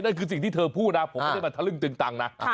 นั่นคือสิ่งที่เธอพูดนะผมไม่ได้มาทะลึ่งตึงตังนะ